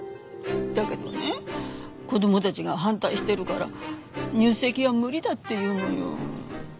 だけどね子供たちが反対してるから入籍は無理だって言うのよ。